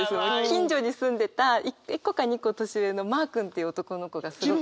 近所に住んでた１個か２個年上のマー君っていう男の子がすごく。